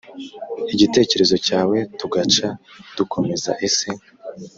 igitekerezo cyawe tugaca dukomeza ese